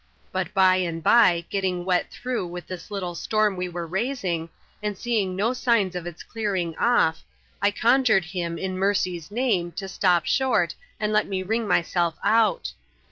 Bat hjaafl by, getting wet through with this little storm we were ndsiog; and seeing no signs of its clearing off, I conjured him, inMerc/s name, to stop short, and let me wring myself out.